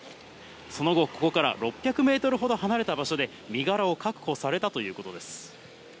その後、ここから６００メートルほど離れた場所で身柄を確保されたということです。